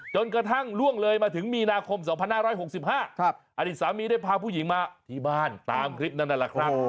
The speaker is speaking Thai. จนกระทั่งล่วงเลยมาถึงมีนาคม๒๕๖๕อดีตสามีได้พาผู้หญิงมาที่บ้านตามคลิปนั้นนั่นแหละครับ